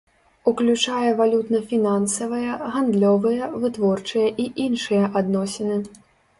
Уключае валютна-фінансавыя, гандлёвыя, вытворчыя і іншыя адносіны.